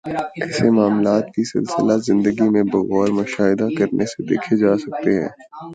ایسے معاملات بھی سلسلہ زندگی میں بغور مشاہدہ کرنے سے دیکھے جا سکتے ہیں